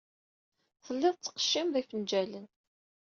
Telliḍ tettqeccimeḍ ifenjalen.